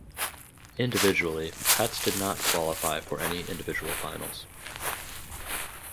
Individually Petz did not qualify for any individual finals.